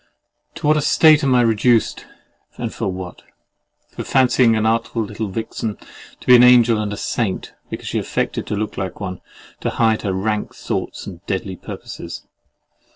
To what a state am I reduced, and for what? For fancying a little artful vixen to be an angel and a saint, because she affected to look like one, to hide her rank thoughts and deadly purposes.